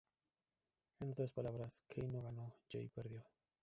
En otras palabras, Kanye no ganó, Jay perdido.